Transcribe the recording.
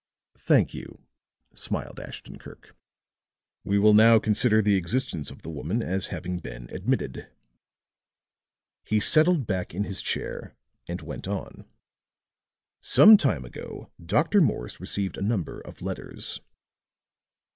"Thank you," smiled Ashton Kirk. "We will now consider the existence of the woman as having been admitted." He settled back in his chair, and went on: "Some time ago Dr. Morse received a number of letters.